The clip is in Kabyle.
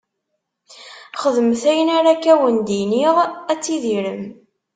Xedmet ayen akka ara wen-d-iniɣ, ad tidirem.